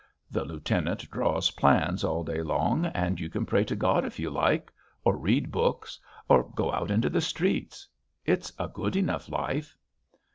The lieutenant draws plans all day long, and you can pray to God if you like or read books or go out into the streets. It's a good enough life."